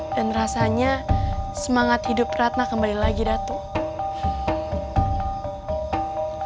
dan rasanya semangat hidup ratna kembali lagi datuk